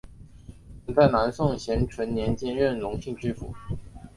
曾在南宋咸淳年间任隆兴知府。